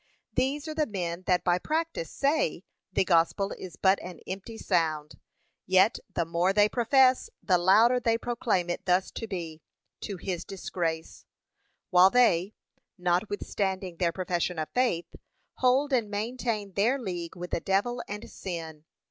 These are the men that by practice say, the gospel is but an empty sound. Yet, the more they profess, the louder they proclaim it thus to be, to his disgrace, while they, not withstanding their profession of faith, hold and maintain their league with the devil and sin.